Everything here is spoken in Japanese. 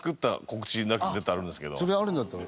それあるんだったら。